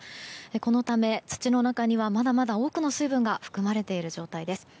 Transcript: このため、土の中にはまだまだ多くの水分が含まれている状態です。